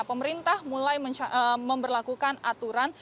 pemerintah mulai memperlakukan aturan